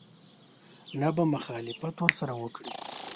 نه به مخالفت ورسره وکړي.